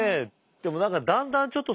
でも何かだんだんちょっとすいません